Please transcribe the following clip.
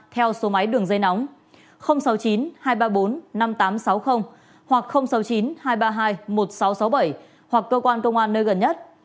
theo số máy đường dây nóng sáu mươi chín hai trăm ba mươi bốn năm nghìn tám trăm sáu mươi hoặc sáu mươi chín hai trăm ba mươi hai một nghìn sáu trăm sáu mươi bảy hoặc cơ quan công an nơi gần nhất